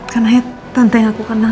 kan akhirnya tante yang aku kenal